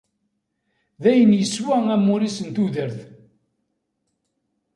Dayen yeswa amur-is n tudert.